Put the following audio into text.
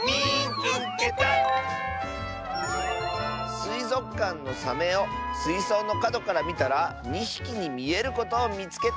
「すいぞくかんのサメをすいそうのかどからみたら２ひきにみえることをみつけた！」。